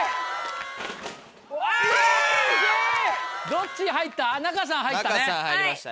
どっち入った？